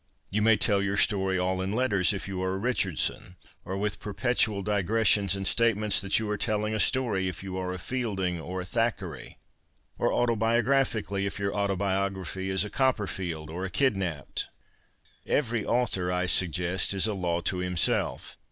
You may tell your story all in letters, if you are a Richardson, or with perpetual digressions and state ments that you arc telling a story, if you are a Fielding or a Thackeray, or autobiographically, if your autobiography is a ' Copperfield ' or a ' Kid napped.' Every author, I suggest, is a law to him self.